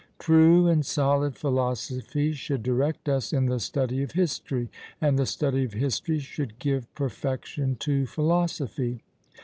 True and solid philosophy should direct us in the study of history, and the study of history should give perfection to philosophy."